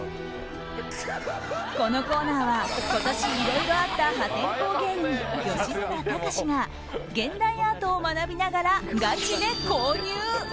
このコーナーは今年いろいろあった破天荒芸人吉村崇が現代アートを学びながらガチで購入。